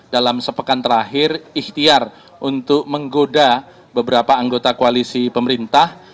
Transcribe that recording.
dalam sepekan terakhir ikhtiar untuk menggoda beberapa anggota koalisi pemerintah